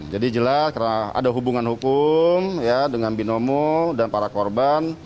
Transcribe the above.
jadi jelas ada hubungan hukum dengan binomo dan para korban